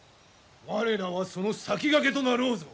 我らはその先駆けとなろうぞ。